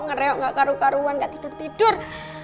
ngereok nggak karu karuan gak tidur tidur